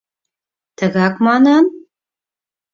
— Тыгак манын?